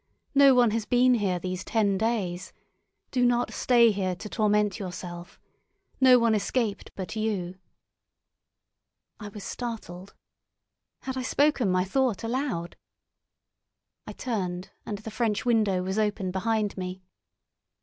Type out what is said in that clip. No one has been here these ten days. Do not stay here to torment yourself. No one escaped but you." I was startled. Had I spoken my thought aloud? I turned, and the French window was open behind me.